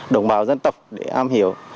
đồng bào dân tộc để am hiểu